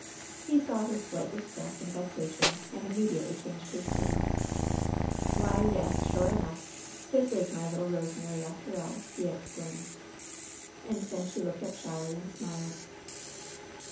He saw her slight distress and vexation, and imme diately changed his tune. "Why !— ^yes !— sure enough ! This is my little Rose mary, after all !" he exclaimed. And then she looked up shyly and smiled.